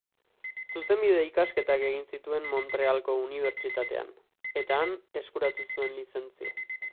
Zuzenbide-ikasketak egin zituen Montrealgo Unibertsitatean, eta han eskuratu zuen lizentzia.